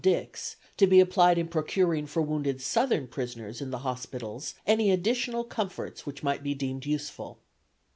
Dix, to be applied in procuring for wounded Southern prisoners in the hospitals any additional comforts which might be deemed useful.